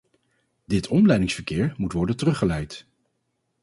Dit omleidingsverkeer moet worden teruggeleid.